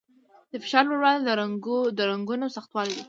د فشار لوړوالی د رګونو سختوالي دی.